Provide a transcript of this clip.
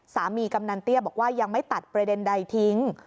กำนันเตี้ยบอกว่ายังไม่ตัดประเด็นใดทิ้ง